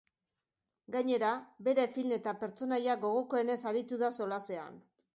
Gainera, bere film eta pertsonaia gogokoenez aritu da solasean.